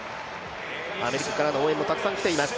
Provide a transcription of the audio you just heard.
アメリカからの応援もたくさん来ています。